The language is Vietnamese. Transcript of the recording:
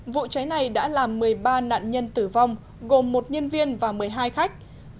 vụ cháy này đã làm một mươi ba nạn nhân tử vong gồm một nhân viên và một mươi hai khách